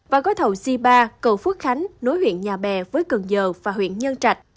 và gói thầu c ba cầu phước khánh nối huyện nhà bè với cần giờ và huyện nhân trạch